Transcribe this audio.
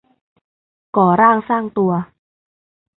ก่อร่างสร้างตัว